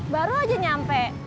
baru aja nyampe